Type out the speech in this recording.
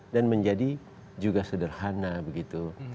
dan menjadi juga sederhana begitu